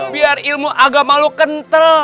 biar ilmu agama lo kentel